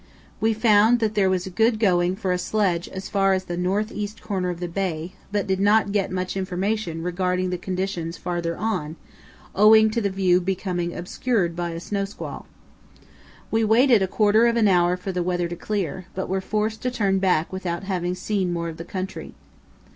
We found that there was good going for a sledge as far as the north east corner of the bay, but did not get much information regarding the conditions farther on owing to the view becoming obscured by a snow squall. We waited a quarter of an hour for the weather to clear but were forced to turn back without having seen more of the country.